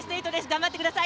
頑張ってください。